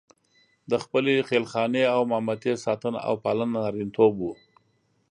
د خپلې خېل خانې او مامتې ساتنه او پالنه نارینتوب وو.